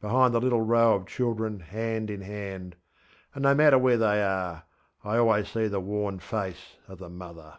Behind the little row of children hand in handŌĆöand no matter where they areŌĆöI always see the worn face of the mother.